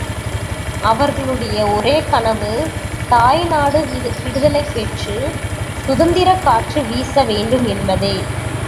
அவர்களுடைய ஒரே கனவு தாய்நாடு விடுதலை பெற்று சுதந்திரக் காற்று வீச வேண்டும் என்பதே.